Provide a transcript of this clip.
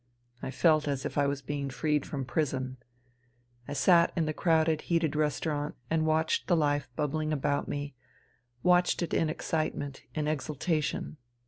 I felt as if I was being freed from prison. I sat in the crowded, heated restaurant and watched the life bubbling about me — watched it in excitement, in exultation.